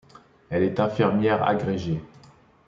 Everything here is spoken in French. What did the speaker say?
Elle est infirmière agrégée.